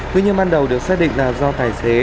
tuy nhiên ban đầu được xác định là do tài xế